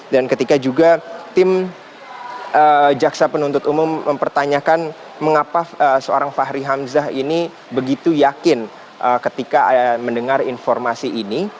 dan ketika juga tim jaksa penuntut umum mempertanyakan mengapa seorang fahri hamzah ini begitu yakin ketika mendengar informasi ini